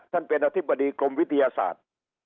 ท่านเป็นอธิบดีกรมวิทยาศาสตร์